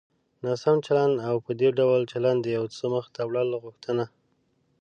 ناسم چلند او په دې ډول چلند د يو څه مخته وړلو غوښتنه.